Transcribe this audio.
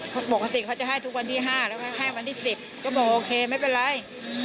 ก็บอกโอเคไม่เป็นไรอืมอืมนายสุบินเคยมาช่วยไข่ไหม